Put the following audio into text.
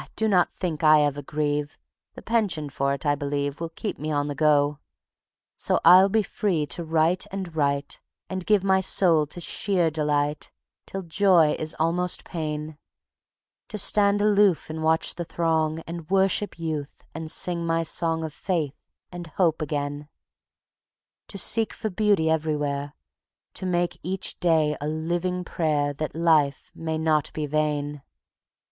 do not think I ever grieve (The pension for it, I believe, Will keep me on the go). So I'll be free to write and write, And give my soul to sheer delight, Till joy is almost pain; To stand aloof and watch the throng, And worship youth and sing my song Of faith and hope again; To seek for beauty everywhere, To make each day a living prayer That life may not be vain.